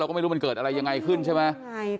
ก็ไม่รู้มันเกิดอะไรยังไงขึ้นใช่ไหม